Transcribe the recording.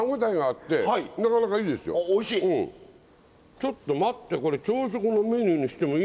ちょっと待って。